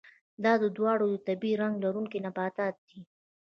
دا دواړه د طبیعي رنګ لرونکي نباتات دي.